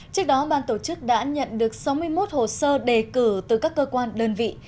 trước đó ban tổ chức đã nhận được sáu mươi một hồ sơ đề cử từ các cơ quan đơn vị